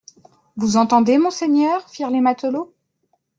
Vous entendez, monseigneur ? firent les matelots.